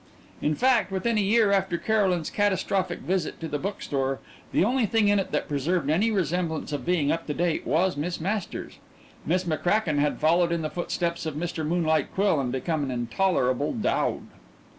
In fact, within a year after Caroline's catastrophic visit to the bookshop the only thing in it that preserved any semblance of being up to date was Miss Masters. Miss McCracken had followed in the footsteps of Mr. Moonlight Quill and become an intolerable dowd.